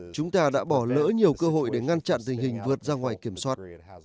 chúng ta đã bỏ lỡ nhiều cơ hội để ngăn chặn tình hình vượt ra ngoài kiểm soát